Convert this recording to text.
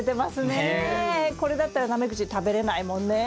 これだったらナメクジ食べれないもんね。